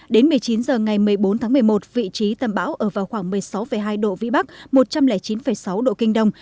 đến một mươi chín h ngày một mươi bốn tháng một mươi một vị trí tâm bão ở vào khoảng một mươi sáu hai độ vĩ bắc một trăm linh chín sáu độ kinh đông